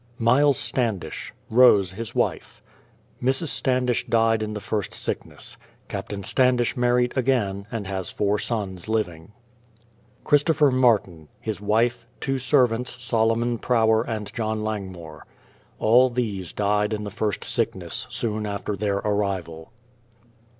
MYLES STANDISH; Rose his wife. Mrs. Standish died in the first sickness. Captain Standish married again, and has four sons living. CHRISTOPHER MARTIN; his wife, two servants, SOLOMON PROWER and JOHN LANGMORE. All these died in the first sickness, soon after their arrival.